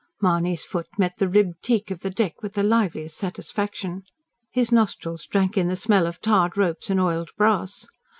Mahony's foot met the ribbed teak of the deck with the liveliest satisfaction; his nostrils drank in the smell of tarred ropes and oiled brass.